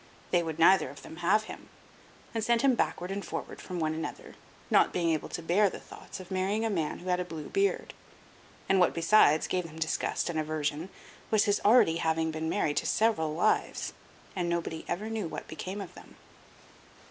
They would neither of them have him, and sent him backward and forward from one another, not being able to bear the thoughts of marrying a man who had a blue beard, and what besides gave them disgust and aversion was his having already been married to several wives, and nobody ever knew what became of them.